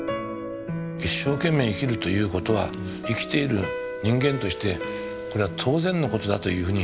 一生懸命生きるということは生きている人間としてこれは当然のことだというふうに。